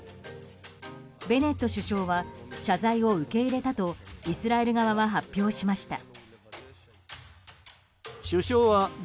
ベネット首相は謝罪を受け入れたとイスラエル側は発表しました。